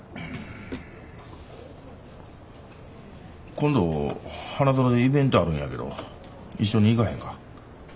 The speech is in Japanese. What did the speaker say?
今度花園でイベントあるんやけど一緒に行かへんか？